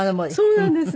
そうなんですね。